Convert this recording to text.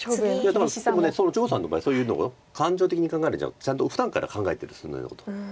いやだから張栩さんの場合そういうのが感情的に考えるんじゃなくてちゃんとふだんから考えてるそのようなことを。